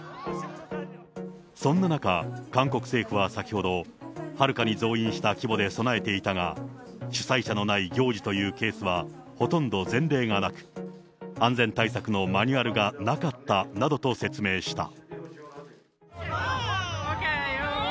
そんな中、韓国政府は先ほど、はるかに増員した規模で備えていたが、主催者のない行事というケースは、ほとんど前例がなく、安全対策のマニュアルがなかったなどと説明した。